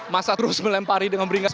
masa terus melempari dengan beringas